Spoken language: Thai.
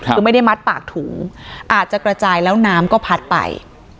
คือไม่ได้มัดปากถุงอาจจะกระจายแล้วน้ำก็พัดไป